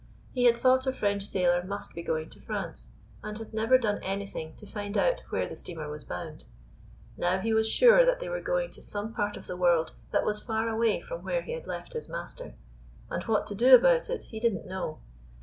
He had thought a French sailor must be going to France, and had never done anything to find out where the steamer was bound. Now he was sure that they were going to some part of the world that was far away from where he had left his master, and what to do about it he did n't know.